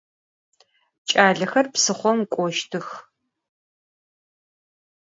Ç'alexer psıxhom k'oştıx.